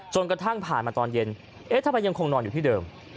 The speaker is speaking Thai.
กระทั่งผ่านมาตอนเย็นเอ๊ะทำไมยังคงนอนอยู่ที่เดิม